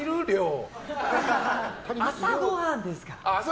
朝ごはんですから。